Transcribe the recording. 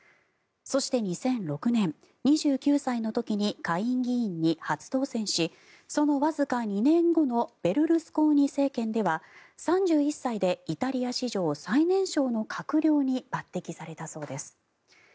そして、２００６年２９歳の時に下院議員に初当選しそのわずか２年後のベルルスコーニ政権では３１歳でイタリア史上最年少の閣僚に抜てきされたそうです。